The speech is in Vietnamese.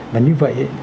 và như vậy